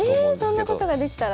えそんなことができたら。